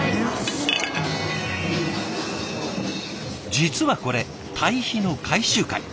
実はこれ堆肥の回収会。